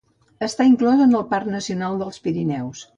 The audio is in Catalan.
Està inclòs en el Parc Nacional dels Pirineus.